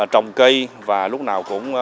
trong cây và lúc nào cũng